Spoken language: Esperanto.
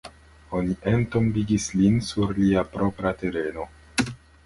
Oni entombigis lin sur lia propra tereno.